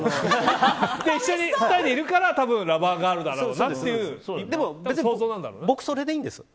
一緒に２人でいるから多分ラバーガールだろうなでも別に僕それでいいんです。